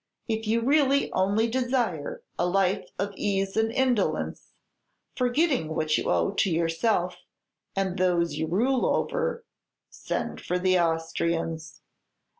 "If you really only desire a life of ease and indolence, forgetting what you owe to yourself and those you rule over, send for the Austrians.